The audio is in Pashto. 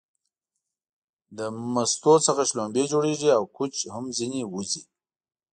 له مستو څخه شلومبې جوړيږي او کوچ هم ځنې وځي